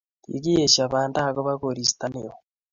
Kikieshio banda akoba koristo neo